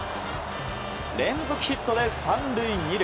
連続ヒットで３塁２塁。